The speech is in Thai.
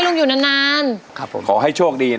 ไม่ใช้